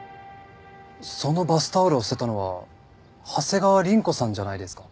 そのバスタオルを捨てたのは長谷川凛子さんじゃないですか？